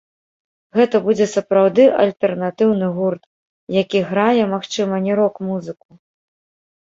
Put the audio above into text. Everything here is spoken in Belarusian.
Гэта будзе сапраўды альтэрнатыўны гурт, які грае, магчыма, не рок-музыку.